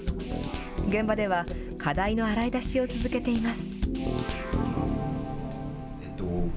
現場では、課題の洗い出しを続けています。